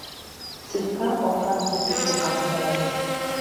Tsika okantya pipokantyari.